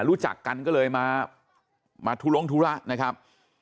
รู้จักกันก็เลยมาทุลงธุระนะครับ